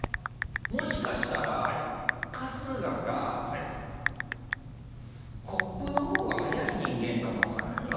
もしかしたら春日がコップのほうが早い人間かも分からないよな。